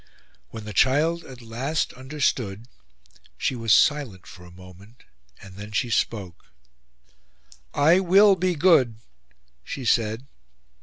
When the child at last understood, she was silent for a moment, and then she spoke: "I will be good," she said.